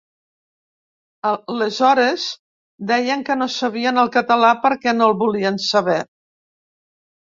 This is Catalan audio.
Aleshores, deien que no sabien el català perquè no el volien saber.